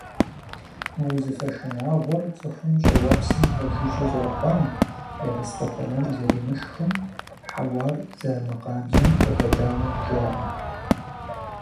Мы узыфэ шынагъуэр цӀыхур щӀыуэпсым пэжыжьэ зэрыхъуам, ерыскъы тэмэм зэримышхым, хьэуар зэрымыкъабзэм къыхэкӀауэ жаӏэ.